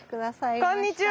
こんにちは！